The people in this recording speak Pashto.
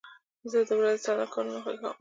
زه د ورځې ساده کارونه خوښوم.